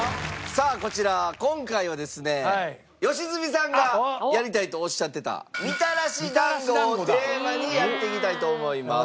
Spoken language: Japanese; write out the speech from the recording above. さあこちら今回はですね良純さんがやりたいとおっしゃってたみたらし団子をテーマにやっていきたいと思います。